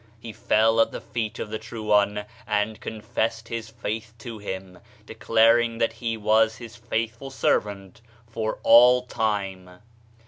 He fell at the feet of the True One, and confessed his faith to him, declaring that he was his faith ful servant for all time.